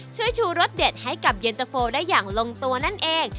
ช่วยชูรสเด็ดให้กับเย็นตะโฟได้อย่างลงตัวนั่นเอง